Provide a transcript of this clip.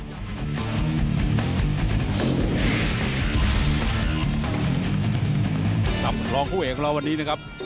รองผู้เอกของเราวันนี้นะครับ